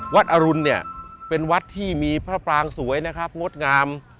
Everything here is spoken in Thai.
อรุณเนี่ยเป็นวัดที่มีพระปรางสวยนะครับงดงาม